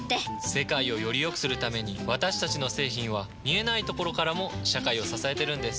世界をよりよくするために私たちの製品は見えないところからも社会を支えてるんです。